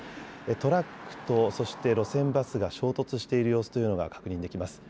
トラックとそして路線バスが衝突している様子というのが確認できます。